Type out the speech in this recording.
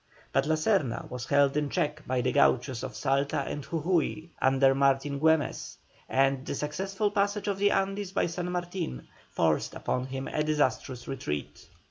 But La Serna was held in check by the Gauchos of Salta and Jujui under Martin Güemes, and the successful passage of the Andes by San Martin forced upon him a disastrous retreat.